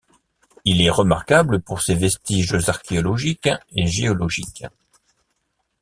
Il est remarquable pour ses vestiges archéologiques et géologiques.